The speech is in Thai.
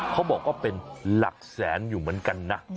เขาบอกว่าเป็นหลักแสนอยู่เหมือนกันนะ